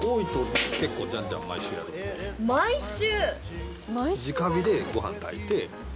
毎週！